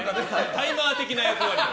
タイマー的な役割で。